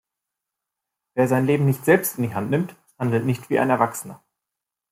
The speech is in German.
Wer sein Leben nicht selbst in die Hand nimmt, handelt nicht wie ein Erwachsener.